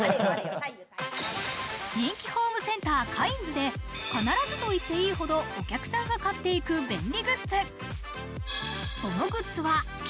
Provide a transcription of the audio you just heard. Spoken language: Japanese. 人気ホームセンター・カインズで、必ずといっていいほどお客さんが買っていく便利グッズ。